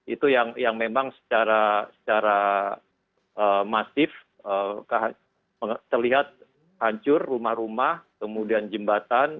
itu yang memang secara masif terlihat hancur rumah rumah kemudian jembatan